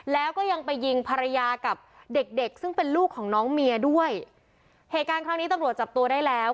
แล้วก็ยังไปยิงภรรยากับเด็กเด็กซึ่งเป็นลูกของน้องเมียด้วยเหตุการณ์ครั้งนี้ตำรวจจับตัวได้แล้ว